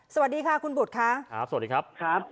สวัสดีค่ะคุณบุธสวัสดีครับ